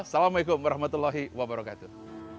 assalamu'alaikum warahmatullahi wabarakatuh